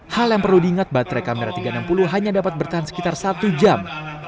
hal yang perlu diingat baterai kamera tiga ratus enam puluh hanya dapat bertahan sekitar satu jam